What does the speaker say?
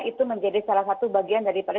itu menjadi salah satu bagian daripada